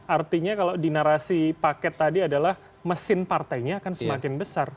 artinya kalau di narasi paket tadi adalah mesin partainya akan semakin besar